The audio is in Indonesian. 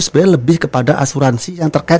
sebenarnya lebih kepada asuransi yang terkait